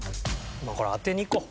これ当てにいこう。